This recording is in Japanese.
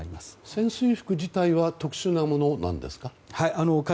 潜水服自体は特殊なものなのですか？